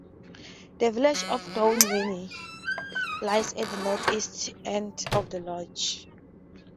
The village of Dalwhinnie lies at the north east end of the loch.